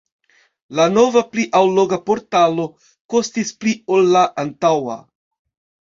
La nova pli alloga portalo kostis pli ol la antaŭa.